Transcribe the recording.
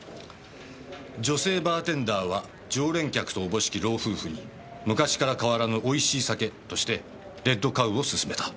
「女性バーテンダーは常連客と思しき老夫婦に昔から変わらぬ美味しい酒として『レッドカウ』を勧めた」